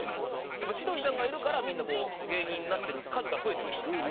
やっぱ千鳥さんがいるからみんなこう芸人になってる数が増えてるんですよね。